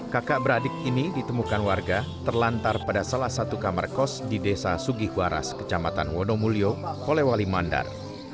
kakak beradik ini ditemukan warga terlantar pada salah satu kamar kos di desa sugihwaras kecamatan wonomulyo polewali mandar